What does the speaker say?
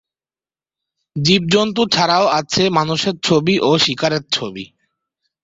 জীবজন্তু ছাড়াও আছে মানুষের ছবি ও শিকারের ছবি।